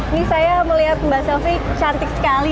ini saya melihat mbak selfie cantik sekali